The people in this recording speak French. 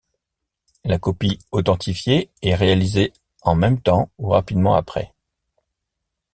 La copie authentifiée est réalisée en même temps ou rapidement après.